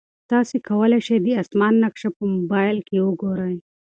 تاسي کولای شئ د اسمان نقشه په موبایل کې وګورئ.